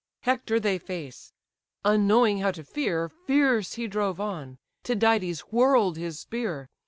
Hector they face; unknowing how to fear, Fierce he drove on; Tydides whirl'd his spear.